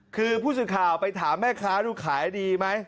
คือผู้สื่อข่าวไปถามแม่ค้าดูขายดีไหม